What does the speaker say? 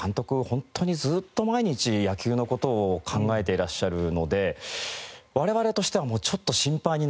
本当にずっと毎日野球の事を考えていらっしゃるので我々としてはもうちょっと心配になるぐらい。